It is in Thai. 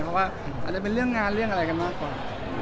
เพราะว่าอาจจะเป็นเรื่องงานเรื่องอะไรกันมากกว่า